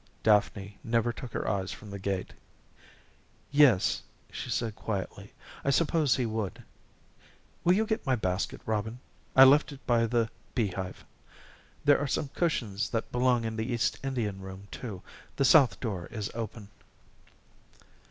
Daphne never took her eyes from the gate. "Yes," she said quietly, "I suppose he would. Will you get my basket, Robin? I left it by the beehive. There are some cushions that belong in the East Indian room, too. The south door is open."